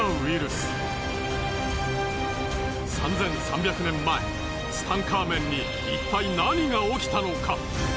３３００年前ツタンカーメンにいったい何が起きたのか？